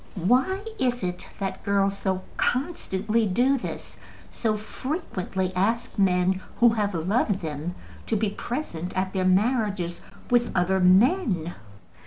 Why is it that girls so constantly do this, so frequently ask men who have loved them to be present at their marriages with other men?